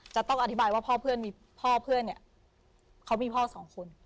จะต้องอธิบายว่าพ่อเพื่อนพ่อเพื่อนเนี่ยเขามีพ่อสองคน